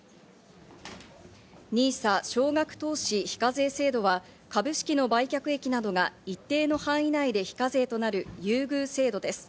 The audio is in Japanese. ＮＩＳＡ＝少額投資非課税制度は株式の売却益などが一定の範囲内で非課税となる優遇制度です。